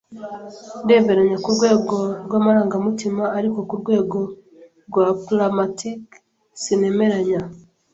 Ndemeranya kurwego rwamarangamutima, ariko kurwego rwa pragmatique sinemeranya.